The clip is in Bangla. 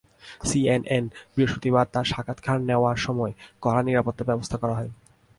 সিএনএন বৃহস্পতিবার তার সাক্ষাৎকার নেওয়ার সময় কড়া নিরাপত্তার ব্যবস্থা করা হয়।